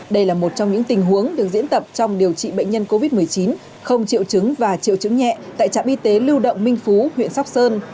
đây là một trong những tình huống được diễn tập trong điều trị bệnh nhân covid một mươi chín không triệu chứng và triệu chứng nhẹ tại trạm y tế lưu động minh phú huyện sóc sơn